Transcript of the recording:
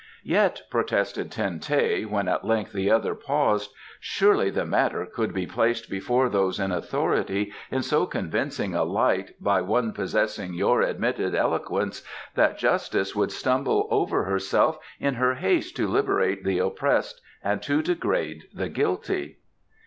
"Yet," protested Ten teh, when at length the other paused, "surely the matter could be placed before those in authority in so convincing a light by one possessing your admitted eloquence that Justice would stumble over herself in her haste to liberate the oppressed and to degrade the guilty."